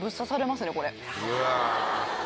うわ。